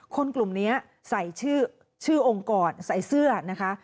คนกลุ่มนี้ใส่ชื่อองค์กรใส่เสื้อนะคะ